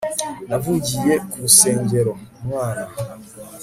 nivugiye ku rusenge, umwana